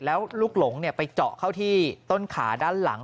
แล้วลูกหลงไปเจาะเข้าที่ต้นขาด้านหลัง